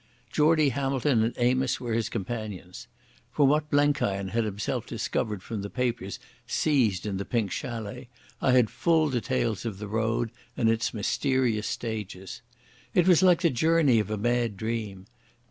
Geordie Hamilton and Amos were his companions. From what Blenkiron had himself discovered and from the papers seized in the Pink Chalet I had full details of the road and its mysterious stages. It was like the journey of a mad dream.